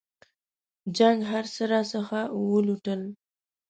جنګ هرڅه راڅخه ولوټل.